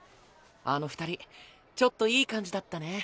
あの二人ちょっといい感じだったね。